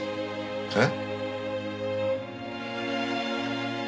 えっ？